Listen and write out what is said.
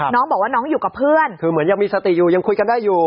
น้องบอกว่าน้องอยู่กับเพื่อนคือเหมือนยังมีสติอยู่ยังคุยกันได้อยู่